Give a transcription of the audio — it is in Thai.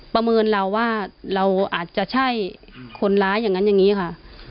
ประเมินเราว่าเราอาจจะใช่คนร้ายอย่างนั้นอย่างนี้ค่ะ